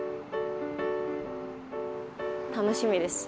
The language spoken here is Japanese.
楽しみです。